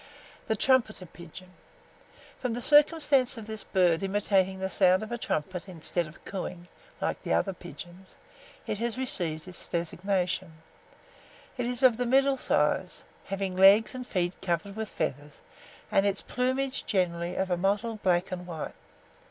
[Illustration: TRUMPETER PIGEONS.] THE TRUMPETER PIGEON. From the circumstance of this bird imitating the sound of a trumpet, instead of cooing, like other pigeons, it has received its designation. It is of the middle size, having its legs and feet covered with feathers, and its plumage generally of a mottled black and white.